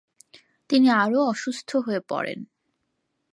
তিনি আরও অসুস্থ হয়ে পড়েন।